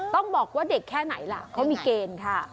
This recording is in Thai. ต้องบอกว่าเด็กแค่ไหนล่ะเขามีเกณฑ์ค่ะ